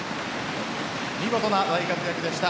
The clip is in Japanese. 見事な大活躍でした。